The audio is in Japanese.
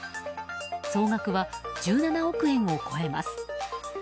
総額は１７億円を超えます。